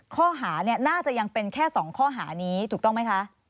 ข้อหาเนี่ยน่าจะยังเป็นแค่๒ข้อหานี้ถูกต้องไหมคะ